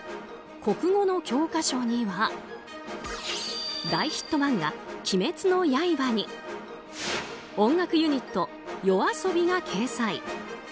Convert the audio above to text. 国語の教科書には大ヒット漫画「鬼滅の刃」に音楽ユニットＹＯＡＳＯＢＩが掲載。